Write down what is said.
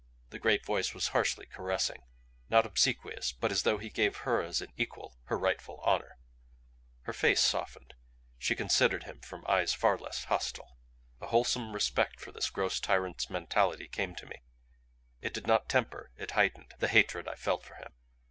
The great voice was harshly caressing; not obsequious, but as though he gave her as an equal her rightful honor. Her face softened; she considered him from eyes far less hostile. A wholesome respect for this gross tyrant's mentality came to me; it did not temper, it heightened, the hatred I felt for him.